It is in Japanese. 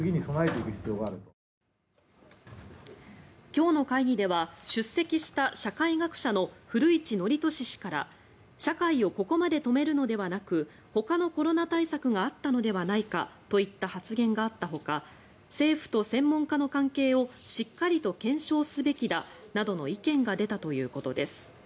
今日の会議では、出席した社会学者の古市憲寿氏から社会をここまで止めるのではなくほかのコロナ対策があったのではないかといった発言があったほか政府と専門家の関係をしっかりと検証すべきだなどの意見が出たということです。